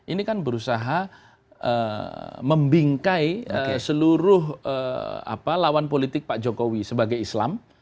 ini kan berusaha membingkai seluruh lawan politik pak jokowi sebagai islam